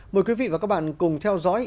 mời quý vị và các bạn cùng theo dõi